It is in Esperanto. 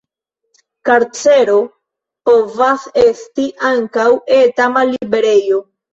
Karcero povas esti ankaŭ eta malliberejo.